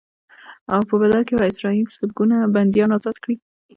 او په بدل کې به اسرائیل سلګونه بنديان ازاد کړي.